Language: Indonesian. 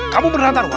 kamu beneran taruhan ya